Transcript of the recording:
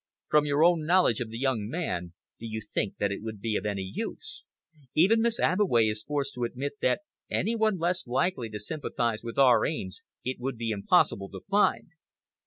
"From your own knowledge of the young man, do you think that it would be of any use? Even Miss Abbeway is forced to admit that any one less likely to sympathise with our aims it would be impossible to find.